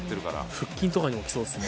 腹筋とかにもきそうですね。